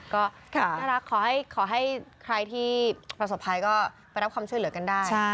ก็น่ารักขอให้ใครที่ประสบภัยก็ไปรับความช่วยเหลือกันได้